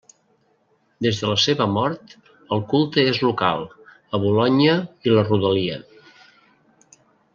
Des de la seva mort, el culte és local, a Bolonya i la rodalia.